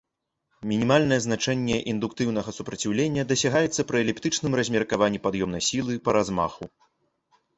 Мінімальнае значэнне індуктыўнага супраціўлення дасягаецца пры эліптычным размеркаванні пад'ёмнай сілы па размаху.